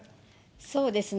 そうですね。